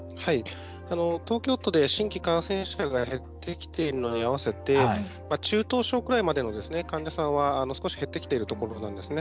東京都で新規感染者が減ってきているのに合わせて中等症くらいまでの患者さんは少し減ってきてるとこなんですね。